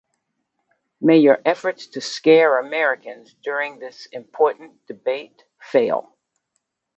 May your efforts to scare Americans during this important debate fail.